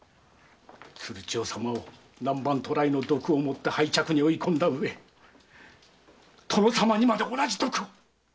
鶴千代様を南蛮渡来の毒を盛って廃嫡に追い込んだうえ殿様にまで同じ毒を！